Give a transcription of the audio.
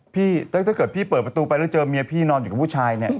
ถ้าเกิดพี่เปิดประตูไปแล้วเจอเมียพี่นอนอยู่กับผู้ชายเนี่ย